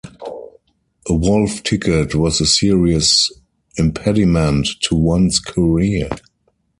A wolf ticket was a serious impediment to one's career.